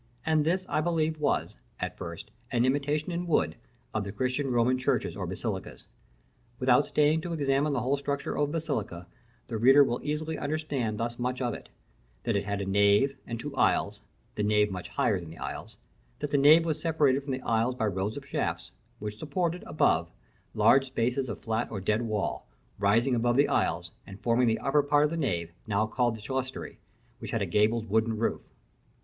And this I believe was, at first, an imitation in wood of the Christian Roman churches or basilicas. Without staying to examine the whole structure of a basilica, the reader will easily understand thus much of it: that it had a nave and two aisles, the nave much higher than the aisles; that the nave was separated from the aisles by rows of shafts, which supported, above, large spaces of flat or dead wall, rising above the aisles, and forming the upper part of the nave, now called the clerestory, which had a gabled wooden roof.